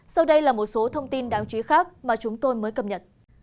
sau đây là một số thông tin đáng chú ý khác mà chúng tôi mới cập nhật